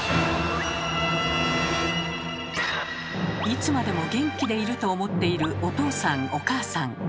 いつまでも元気でいると思っているお父さんお母さん。